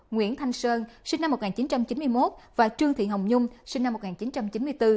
nguyễn thanh sơn sinh năm một nghìn chín trăm chín mươi một và trương thị hồng nhung sinh năm một nghìn chín trăm chín mươi bốn